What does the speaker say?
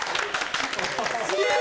すげえ！